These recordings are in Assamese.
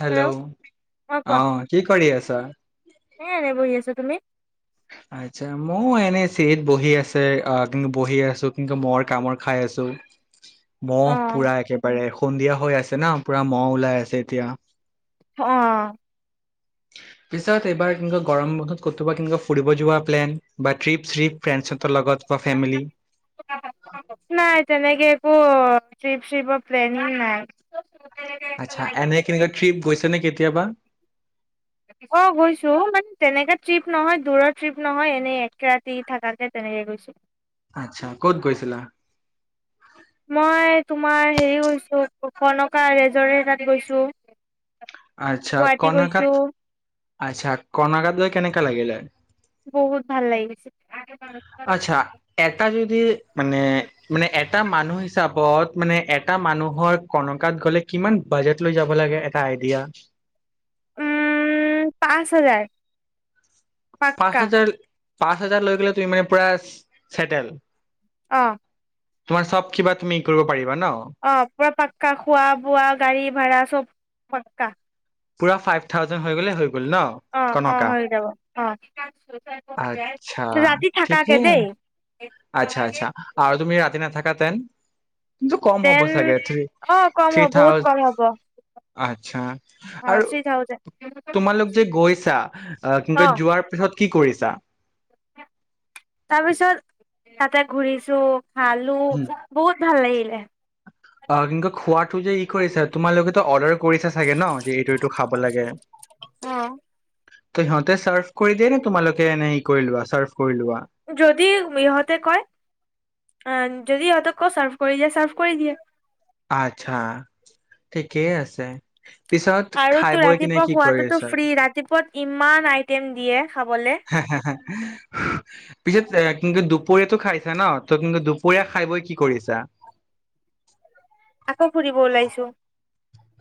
হেল্ল' অ' কোৱা আহ কি কৰি আছা। এ এনে বহি আছো তুমি। আচ্ছা ময় এনেই চিৰিত বহি আছে আহ কিন্তু বহি আছো কিন্তু মৰ কামৰ খাই আছো। মহ অ' পুৰা একেবাৰে সন্ধিয়া। হৈ আছে ন পুৰা মহ ওলাই আছে এতিয়া। আহ পিছত এইবাৰ কেনেকুৱা গৰম বন্ধত কতোবা কেনেকুৱা। ফুৰিব যোৱা প্লেন বা ট্ৰিপ চ্ৰিপ। ফ্ৰেণ্ডছ হঁতৰ লগত বা ফেমিলি। অ ত্ৰিপ চিপ প্লেনি নাই। আচ্ছা এনে কেনেকুৱা ট্ৰিপ গৈছে। নে কেতিয়াবা। অ গৈছো মানে তেনেকে ট্ৰিপ নহয় দূৰৰ ট্ৰিপ নহয় এনেই একে ৰাতি থকাকে তেনেকে গৈছো। আচ্ছা ক'ত গৈছিলা। মই তোমাৰ হেৰি গৈছো কনকা ৰিজৰ্ট তাত গৈছো। আচ্ছা গুৱাহাটী গৈছো কণাকাত আচ্ছা কণাকাত গৈ কেনেকা লাগিলে। বহুত ভাল লাগিছে। আচ্ছা এটা যদি মানে মানে এটা মানুহ হিচাপে। মানে এটা মানুহৰ কনকাত গ'লে কিমান বাজেট লৈ যাব লাগে এটা আই। এতিয়া উম পাঁচ হাজাৰ পাক্কা পাহজল পাঁচ হাজাৰ লৈ গলে তুমি মানে পুৰা ছেটেল অ তোমাৰ চব কিবা তুমি কৰিব পাৰিব অ পুৰা পাক্কা খোৱা বোৱা গাড়ী ভ়াৰা চব পকা পুৰা ফাইভ থাউজে অ অ হৈ যাব অ আচ্ছা ৰাতি ঠিকেই থাকাকে দেই আচ্ছা আচ্ছা আৰু তুমি ৰাতি নাথাকাতেন কিন্তু কম হ'ব দেন চাগে থ অ থ কম হ'ব বহুত থাউজে কম হ'ব আচ্ছা অ আৰু থ্ৰী থাউজেণ্ড তোমালোক যে গৈছা কিন্তু অ যোৱাৰ পিছত কি কৰিছা তাৰপিছত তাতে ঘূৰিছো ভালো উম বহুত ভাল [unintelligible] অ কিকু খোৱা যে ই কৰিছা তোমালোকেেতো অৰ্ডাৰ কৰিছা চাগে ন যে এইটো এইটো খাব লাগে অ ত সিহঁতে চাৰ্ভ কৰি দিয় নে তোমালোকে এনে হি কৰি লোৱা চাৰ্ফ যদি ইহঁতে কয় আ যদি ইহঁতে ক' চাৰ্ভ কৰি দিয়ে চাৰ্ভ কৰি দিয়ে আচ্ছা কে আছে পিছত আৰু খাই তো বৈ কিনে ৰাতিপুৱা কি কৰি খোৱাতোতো আছা ফ্ৰী ৰাতিপুৱাত ইমান আইটেম দিয়ে খাব হ পিছত কিন্তু দুপৰীয়াটো খাইছা ন ত কিন্তু দুপৰীয়া খাই বই কি কৰিছা আকৌ ফুৰিব ওলাইছো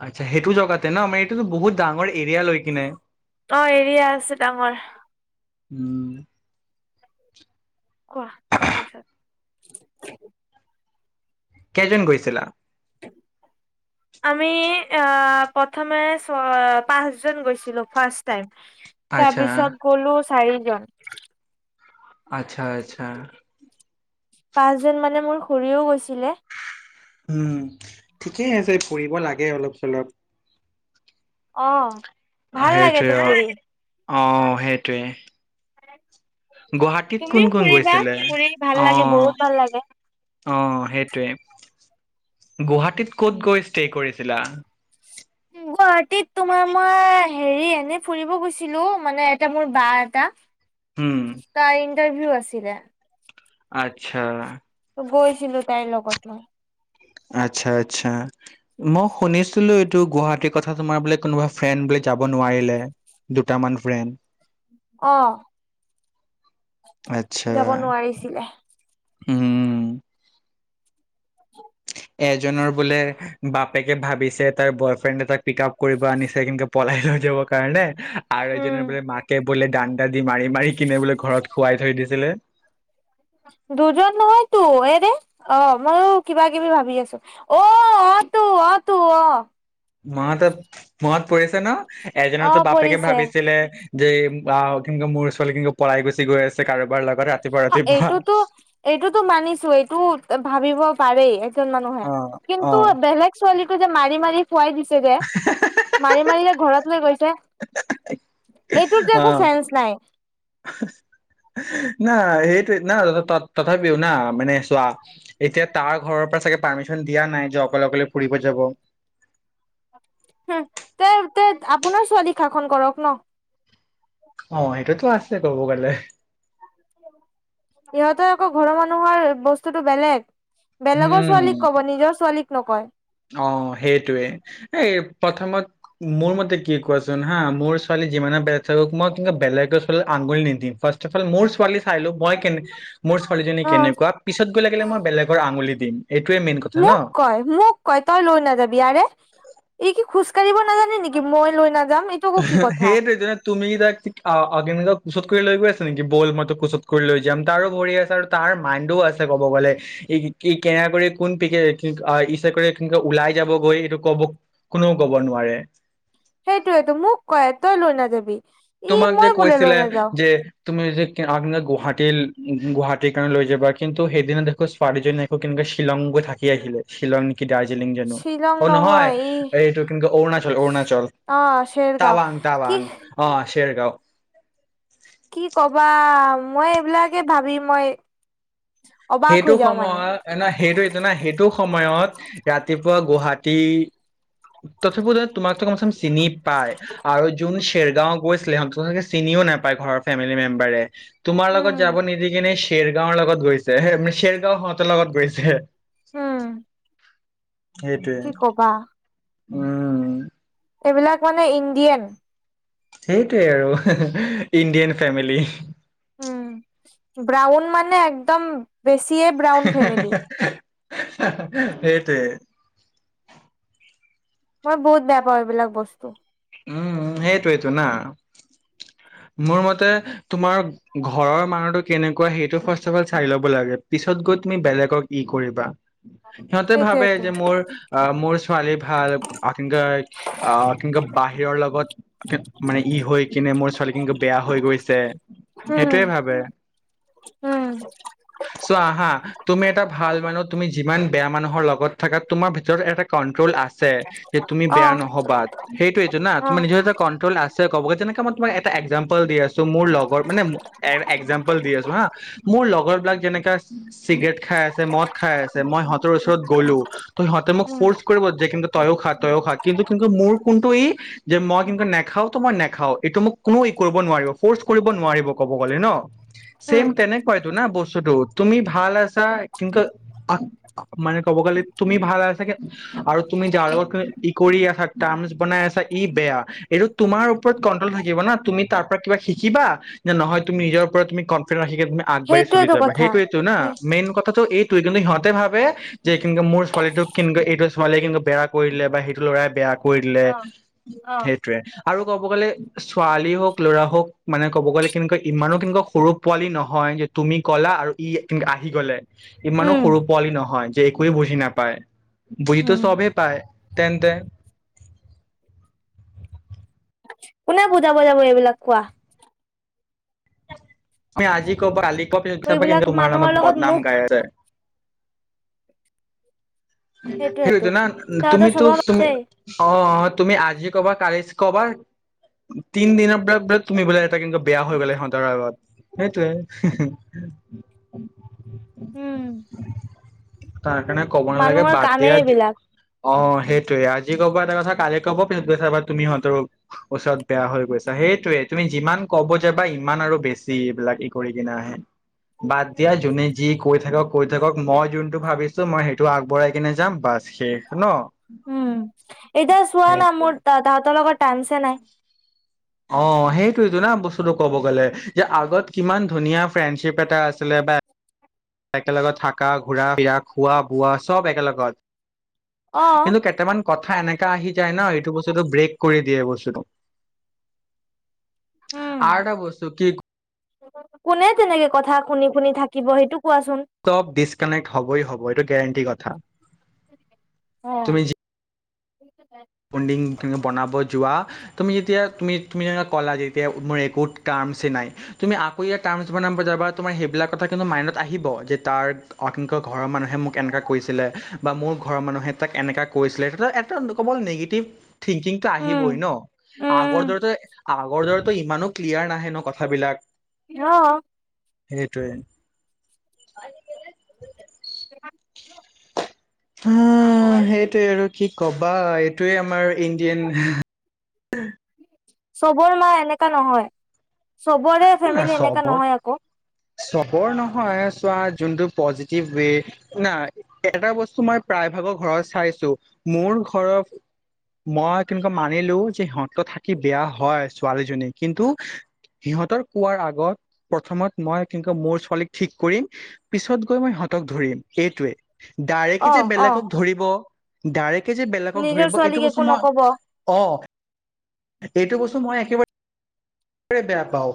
আচ্ছ সেইটো জগাতে ন মমাৰ এইটোতো বহুত ডাঙৰ এৰিয়া লৈ কিনে অ এৰিয়া আছে ডাঙৰ উম কোৱা তাৰপিছত কেইজন গৈছিলা আমি প্ৰথমে পাঁচ জন গৈছিলো ফাৰ্ষ টাইম তাৰ আচ্ছা পিছত গ'লো চাৰিজন আচ্ছা আচ্ছা পাঁচ জন মানে মোৰ খৰিও গৈছিলে উম ঠিকেই আছে ফঢ়ব লাগে অলপ চলপ অ ভাল লাগেতো সেইটোৱে ফুৰি। অ সেইটোৱে [unintelligible] গুৱাহাটীত কোন তুমিও কোন ফুৰিবা গৈছিলে ফুৰি ভাল অ লাগে বহুত ভাল লাগে অ সেইটোৱে গুৱাহাটীত ক'ত গৈ ষ্টে কৰিছিলা [unintelligible] তোমাৰ মই হেৰি এনেই ফুৰিব গৈছিলো মানে এটা মোৰ বা এটা উম তাই ইটাৰভিউ আছিলে আচ্ছা গৈছিলো তাইৰ লগত মই। আচ্ছা আচ্ছা মই শুনিছিলো, এইটো গুৱাহাটীৰ কথা তোমাৰ বোলে কোনোবা ফ্ৰেণ্ড বোলে যাব নোৱাৰিলে, দুটামান ফ্ৰেণ্ড। অ। আচ্ছা যাব নোৱাৰিছিলে। উম। এজনৰ বোলে বাপেকে ভাবিছে তাৰ বয়ফ্ৰেণ্ড এ তাক পিক আপ কৰিব আনিছে, কিন্তু পলাই লৈ যাব কাৰণে। আৰু উম। এজনে বোলে মাকে বোলে দান্দা দি মাৰি মাৰি কিনে বোলে ঘৰত শুৱাই থৈ দিছিলে। দুজন নহয়তো এৰে অ মইো কিবা কিবি ভাবি আছো অ অ তটো অ তটো অ। মনতত মনত পৰিছে ন? অ এজনতো বাপেকে পৰিছে ভাবিছিলে দে আহ কিন্তু মোৰ ছোৱালী কিন্তু পলাই গুচি গৈ আছে কাৰোবাৰ লগত। ৰাতিপুৱা অ ৰাতিপুৱা এইটোতো এইটোতো মানিছো এইটো ভাবিব পাৰে। মানুহে অ অ কিন্তু বেলেগ ছোৱালী যে মাৰি মাৰি শুৱাই দিছে দে মাৰি মাৰি ঘৰত লৈ গৈছে। এইটোত যে অ একো চেন্স নাই না সেই না তথাপিও না, মানে চোৱা এতিয়া তাৰ ঘৰৰ পৰা চাগে পাৰ্মিচন দিয়া নাই যে অকলে অকলে ফুৰিব যাব। হো তই তই আপোনাৰ ছোৱালী শাসন কৰক ন। অ এইটো আছে কব গলে। ইহঁতে আকৌ ঘৰৰ মানুহৰ বস্তুতটো বেলেগ। বেলেগৰ ছোৱালীক ক'ব নিজৰ ছোৱালীক নকয়। অঁ সেইটোৱে এ প্ৰথমত মোৰ মতে কি কোৱাচোন হাঁ, মোৰ ছোৱালী যিমানে বেয়া থাকক মই কিন্তু বেলেগৰ ছোৱালী আগুলি নিদিম ফাৰ্ষ্ট অফ অল মোৰ ছোৱালী চাইলো মই কেনে মোৰ ছোৱালীজনী অ', কেনেকুৱা, পিছত গৈ লাগিলে মই বেলেগৰ আঙুলিত দিম। এইটোৱেই মেইন কথা ন। মোক কয় মোক কয় তই লৈ নাযাবি আৰে এই কি খোজকাঢ়িব নাজানে নেকি মই লৈ নাজ সেইটো তুমি তাক অডিনিলক কুচত কৰি লৈ গৈ নেকি বল মই তোক কোচত কৰি লৈ যাম। তাৰো ভৰি আছে আৰু তাৰ মাইণ্ডও আছে কব গ'লে, ই কেনে কৰি কোন প ইচ কৰি কেনেক ওলাই যাবগৈ সেইটো কব কোনেও কব নোৱাৰে। সেইটোয়েটো মোক কয় তই লৈ নাযাবি। ই তোমাক যে মই বোলে লৈ কৈছিলে নাযাও যে, তুমি আপ গুৱাহাটীৰ গুৱাহাটীৰ কাৰণে লৈ যাবা কিন্তু সেইদিনা দেখো কো শ্বিলংগ থাকিয গৈ থাকি আহিলে শ্বিলং কি দাৰ্জিলিং যো শ্বিলং অঁ নহয় ই এইটো কিন্তু অৰুণাচল অৰুণাচল অ', চেৰগাঁও টাৱাং কি টাৱাং অঁ শেই গাঁও ও কি কবা মই এইবিলাকে ভাবি মই অবাক সেইটো হৈ যাও মানে সময়ত ন সেইটো সেইটো সময়ত ৰাতিপুৱা গুৱাহাটী পথত তোমাক চোন চিনি পায় আৰু যোন--া খেৰগাঁও গৈছিলে সিহঁত চে চিনিও নাপায় ঘৰৰ ফেমিলি মেম্বাৰে তোমাৰ লগত উম, যাব নিদিকনে চেৰগাঁৱৰ লগত গৈছে সেইানে চেৰগাঁও সহঁতৰ লগত গৈছে উম কি কবা সেইটোৱে উম এইবিলাক মানে ইণ্ডিয়ান সেইটোৱে আৰু ইণ্ডিয়ান ফেমিলি উম ব্ৰাউন মানে একদম, বেছিয়ে ব্ৰাউন ফেমিলি। হাঁ হাঁ সেইটোৱেই, মই বহুত বেয়া পাওঁ এইবিলাক বস্তু, উম সেইটোয়টো না মোৰ মতে তোমাৰ ঘৰৰ মানুহটো কেনেকুৱা সেইটো ফাৰ্ষ্ট চাই ল'ব লাগে পিছত গৈ তুমি বেলেগক ই কৰিবা। সিহঁতে ভাবে সেইটোয়েতো যে মোৰ আহ মোৰ ছোৱালী ভাল আং অঁ কেনেকুৱা, বাহিৰৰ লগত মানে ই হৈ কিনে মোৰ ছোৱালী কিনু বেয়া হৈ গৈছে, উম সেইটোৱেই ভাবে। উম চোৱা আহা তুমি এটা ভাল মানুহ তুমি যিমান বেয়া মানুহৰ লগত থাকা তোমাৰ ভিতৰত এটা কন্ট্ৰল আছে। যে তুমি অ বেয়া নহবা সেইটোৱে টো না অ তোমাৰ নিজৰ এটা কন কনটোল আছে ক'ব যেনেকে মই তোমাক এটা একযাম্পুল দি আছো, মোৰ লগৰ মানে একজাম্পুল দি আছো হা মোৰ লগৰ বিলাক যেনে চিগেৰেট খাই আছে মদ খাই আছে মই সিহঁতৰ ওচৰত গ'লো ত সিহঁতে মোক উম ফ'ৰ্চ কৰিব যে কিন্তু তইয়ো খা তইয়ো খা কিন্তু কিন্তু মোৰ, কোনটো ই, যে মই কিন্তু নেখাও ত মই নেখাও এইটো মোক কোনো ই কৰিব নোৱাৰিব ফৰ্চ কৰিব নোৱাৰিব ক'ব গ'লে ন চেম উম তেনেকুৱায় তো না বস্তু। ছোতো তুমি ভাল আছা কিন্তু আ মানে ক'ব গ'লে তুমি ভাল আছা আৰু তুমি যাৰ লগত তুমি মই কৰি থাক বনাই আছা ই বেয়া এইটো তোমাৰ ওপৰত কন্ট্ৰল থাকিব না তুমি তাৰ পৰা কিবা শিকিবা নে নহয় তুমি নিজৰ ওপৰত তুমি কনফিউ ৰাখিবা। তুমি আগবাঢ়ি চলি সেইটোয়েতো যাবা কথা সেইটোয়ে টো না উম মেইন কথাটো এইটো। তু কিন্তু সিহঁতে ভাবে যে কিন্তু মোৰ ছোৱালীটোক কিন্তু এইটো ছোৱালীয়ে কিন্তু বেয়া কৰি দিলে বা সেইটো ল'ৰাই বেয়া কৰি দিলে অ উ অ সেইটোৱে আৰু ক'ব গ'লে ছোৱালী হওঁক ল'ৰা হওঁক মানে ক'ব গ'লে কেনেকুৱা ইমানো কেনেকুৱা সৰু পোৱালি নহয় যে তুমি কলা আৰু ই আহি গলে ইমানো উম সৰু পোৱালি নহয় যে একোৱে বুজি নাপায় বুজি টো উম চবেই পায় তেন্তে কোনে বুজাব যাব এইবিলাক কোৱা তুমি আজি ক'বা কালি চবে চবভাগে এইবিলাক কেনেকে তোমাৰ নামত মানুহৰ লগত বদনাম মুখ গাই আছে সেইটোয়েতো সেইতো না তহঁতৰ তুমিতো স্বভাৱ তুমি আছেই অ অ তুমি আজি ক'বা কালি কবা তিন দিনৰ বিলাক ব তুমি বোলে এটা কিন্তু বেয়া হৈ গ'লে সিহঁতৰ আগত সেইটোৱে হে হে। উম তাৰ কাৰণে ক'ব নেলাগে কামে এইবিলাক অ সেইটোৱে আজি ক'ব এটা কথা কালি ক'ব পিছত গৈ চাবা তুমিহঁতৰ ওচৰত বেয়া হৈ গৈছা সেইটোয়ে তুমি যিমান ক'ব যাবা ইমান আৰু বেছি এইবিলাক ই কৰি কিনে আহে বাদ দিয়া জোনে যি কৰি থাকক কৈ থাকক মই যোনটো ভাবিছো মই সেইটো টো আগবঢ়াই কিনে যাম বাছ শেষ ন উম এতিয়া চোৱা না সেইটোৱে মোৰ দাদাহঁতৰ লগত টামচেই নাই অঁ সেইটোৱেইটো ন বস্তুটো ক'ব গ'লে যে আগত কিমান ধুনীয়া ফ্ৰেণ্ডশ্বিপ এটা আছিলে বা একেলগত থাকা ঘুৰা ফুৰা খোৱা বোৱা চব অ একেলগত কিন্তু কেইটামান কথা কথা এনেকা আহি যায় ন এইটো বস্তুটো ব্ৰেক কৰি দিয়ে এই বস্তুটো উম আৰু এটা বস্তু কি কোনে তেনেকে কথা শুনি শুনি থাকিব সেইটো। কোৱাচোন চব ডিচকানেক্ট হবই হব এইটো গেৰেণ্টি কথা [unintelligible] অহ। তুমি যি [inaudible] বণ্ডিং তে বনাব যোৱা। তুমি যেতিয়া তুমি যেনেকে ক'লা যে এতিয়া মোৰ একো টাৰ্মচই নাই, তুমি আকৌ ইয়াৰ টাৰ্মছ বনাব যাবা তোমাৰ সেইবিলাক কথা কিন্তু মাইণ্ডত আহিব যে তাৰ [unintelligible] ঘৰৰ মানুহে মোক এনেকুৱা কৰিছিলে বা মোৰ ঘৰৰ মানুহে তাক এনেকুৱা কৰিছিলে এটা কেৱল নিগেটিভ থিংকিংটো উম আহিবই ন? আগৰ উম দৰেটো আগৰ দৰেতো ইমানো ক্লিয়াৰ নাহে ন কথাবিলাক? অহ। সেইটোৱেই। [inaudible] উম সেইটোৱে আৰু কি কবা, এইটোৱে আৰু আমাৰ ইণ্ডিয়ান চবৰ মা এনেকা নহয়। চবৰে ফেমিলি চব এনেকা নহয় আকৌ। চবৰ নহয়। চোৱা যোনটো পজিটিভ ৱে, হোনা এটা বস্তু মই প্ৰায়ভাগৰ ঘৰত চাইছো। মোৰ ঘৰত মই তেনেকুৱা মানিলো যে সিহঁত থাকি বেয়া হয় ছোৱালীজনী কিন্তু সিহঁতৰ কোৱাৰ আগত প্ৰথমত মই কি মোৰ ছোৱালীক ঠিক কৰিম পিছত গৈ মই সিহঁতক ধৰিম সেইটোৱে। অ ডাইৰেক্ট যে অ বেলেগক ধৰিব ডাইৰেক্ট ডাইৰেক্ট যে বেলেগক নিজৰ ধৰিব ছোৱালীক এইটো একো বস্তু নকব মই অ অহ। সেইটো বস্তু মই একেবাৰে বেয়া পাও,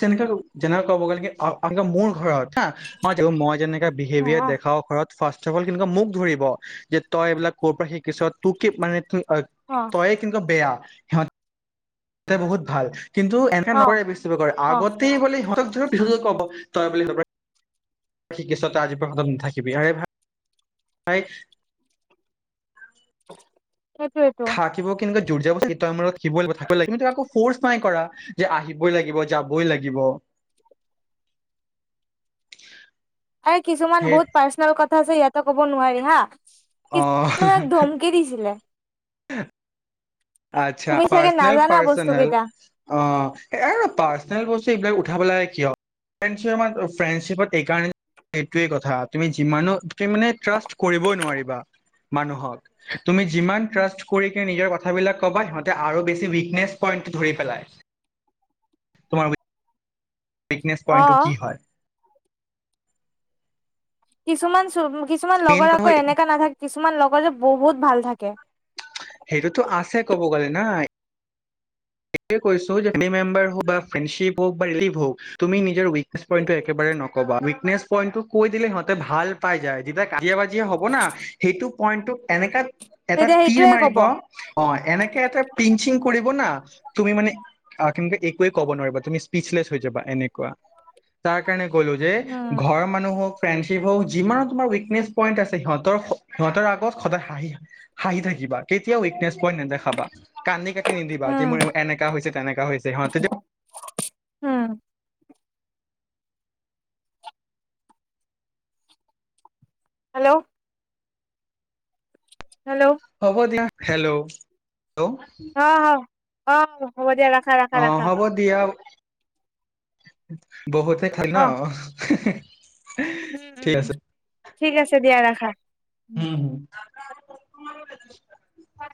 তেনেকে যেনেকে ক'ব গ'লে কি অন্তত মোৰ ঘৰত হা, মই জানো মই যেনে এটা বিহেভিয়াৰ দেখাও ঘৰত ফাষ্টঅফঅল কেনেকুৱা মোক ধৰিব, যে তই এইবিলাক ক'ৰ পৰা শিকিছ তোৰ কি মানে অ তই--তইয়ে কেনেকুৱা বেয়া। সিহঁত বহুত ভাল। কিন্তু এনেকে অ নকৰে বেছি কৰে অ আগতেইলে সিহঁত ধৰি পিছতে কব তই বুলি [inaudible] শিকিছ তই আজিৰ পৰা সদত নাথাকিবি আ ভ হয় [inaudible] হেতুৱেটো। [unintelligible] শিব থিব লাগ কিন্তুকৌ [unintelligible] তুমি টো আকো ফচ নাই কৰা, যে আহিবই লাগিব যাবই লাগিব। আৰু কিছুমান সেই বহুত পাৰ্চনেল কথা ক আছে ইয়াতেো ক'ব নোৱাৰি হা। অ কিছুমান ধমকি দিছিলে। হ [inaudible] আচ্ছা তুমি চাগে নাজানা বস্তু পাৰ্চেনেল-পাৰ্চেনেল। কেইটা অহ এই পাৰ্চেনেল বস্তু এইবিলাক উঠাবে কিয় ফ্ৰেণ্ডচিপত এই কাৰ এইটোৱে কথা তুমি যিমান তুমি মানে ট্ৰাষ্ট কৰিবই নোৱাৰিবা মানুহক তুমি যিমান ট্ৰাষ্ট কৰি নিজৰ কথাবিলাক কবা সিহঁতে আৰু বেছি উকনেছ পইন্ট ধৰি পেলাই। তোমাৰ উইকনেছ অ পইণ্টটো কি হয় কিছুমান ম কিছুমান মেইন লগৰ কথা আকৌ হ'ল এনেকা নাথাক তুমাৰ লগৰ যে বহুত ভাল থাকে সেইটোতো আছে ক'ব গ'লে নাই সেইটোয়ে কইছো এনি মেম্বাৰ হক বা ফেণ্ডচিপ হক ৰিলেটিভ হকউইনেছই কৈ দিলেহতে ভাল পাই যায় যেতিয়া কাজিয়া বাজিয় হব না সেইটো পই এনেকা এটা তেতিয়া ৰ সেইটোয়ে মাৰিব কব হয় এনেকে এটা পিংচিং কৰিব না তুমি মান আমে একোৱে ক'ব নোৱাৰিবা তুমি স্পিচলেছ হৈ যাবা এনেকুৱা তাক। কাৰণে গলো যে উম ঘৰ মানুহ হক ফ্ৰণ্ডশ্বিপ হওক যিমানো তোমাৰ উইকনেছ পইণ্ট আছে সিহঁতৰ সিহঁতৰ আগত সদায় হাঁহি হাঁহি থাকিব কেতিয়া উইকনেছ ক নেদে খাবা কান্দি কাটি নিদিবা উম এনেকা হৈছে তেনেকা হৈছে সিহঁতে উম হেল্ল' হেল্ল' হ'ব দিয়া হেল্ল' হেল্ল' অ অ হ'ব দিয়া। ৰাখা ৰাখা অ ৰাখা হ'ব দিয়া [inaudible] বহুতে খাই ন অ উ উম উম ঠিক আছে দিয়া ৰাখ হয় হম হম [unintelligible] হয়